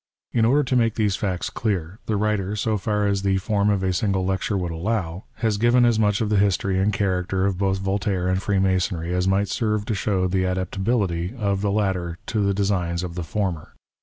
In order to make these facts clear, the writer, so far as the form of a single lecture would allow, has given as much of the history and character of both Voltaire and Freemasonry, as might serve to show the adaptability of the latter to the designs of the former.